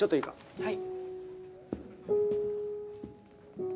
はい。